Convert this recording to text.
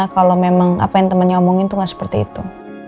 kalau memang apa yang temennya omongin tuh gak seperti itu